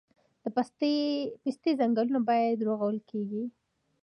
د پستې ځنګلونه بیا رغول کیږي